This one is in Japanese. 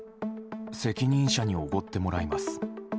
責任者におごってもらいます。